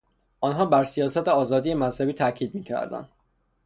آنها بر سیاست آزادی مذهبی تاکید میکردند.